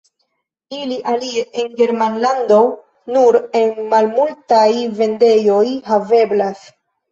Ili alie en Germanlando nur en malmultaj vendejoj haveblas.